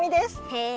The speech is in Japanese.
へえ。